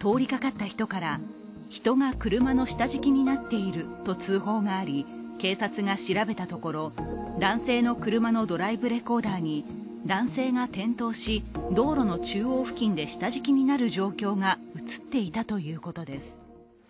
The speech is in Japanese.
通りかかった人から、人が車の下敷きになっていると通報があり、警察が調べたところ、男性の車のドライブレコーダーに男性が転倒し、道路の中央付近で下敷きになる状況が映っていたということです。